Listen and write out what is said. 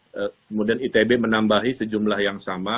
kemudian itb menambahi sejumlah yang sama